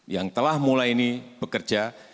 yang telah mulai ini bekerja